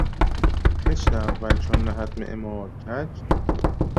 خشت اول چون نهد معمار کج...